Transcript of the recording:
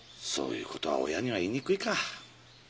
そういうことは親には言いにくいか。